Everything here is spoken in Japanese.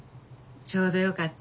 ちょうどよかった。